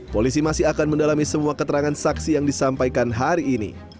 polisi masih akan mendalami semua keterangan saksi yang disampaikan hari ini